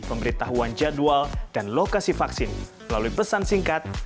pemberitahuan jadwal dan lokasi vaksin melalui pesan singkat